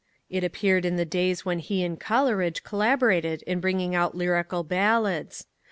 It appeared in the days when he and Coleridge collaborated in bringing out _Lyrical Ballads.